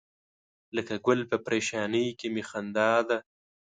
لکه ګل په پرېشانۍ کې می خندا ده.